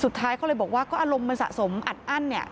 สุดท้ายเขาเลยบอกว่าก็อารมณ์มันสะสมอัดอั้นเนี่ย